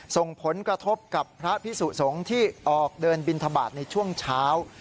ส่งผลกระทบกับพระพิสุสงฆ์ที่ออกเดินบินทบาทในช่วงเช้า